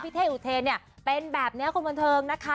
เท่อุเทนเนี่ยเป็นแบบนี้คนบันเทิงนะคะ